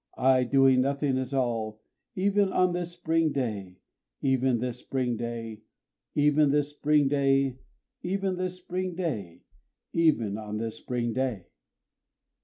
I doing nothing at all, Even on this spring day, Even this spring day, Even this spring day, Even this spring day, Even on this spring day!